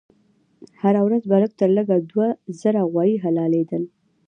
هر ورځ به لږ تر لږه دوه زره غوایي حلالېدل.